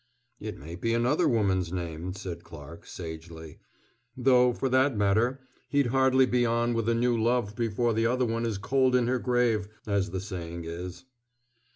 "It may be another woman's name," said Clarke sagely "though, for that matter, he'd hardly be on with a new love before the other one is cold in her grave, as the saying is."